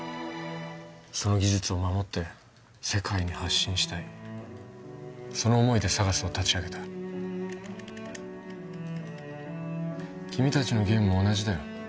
その技術を守って世界に発信したいその思いでＳＡＧＡＳを立ち上げた君達のゲームも同じだよ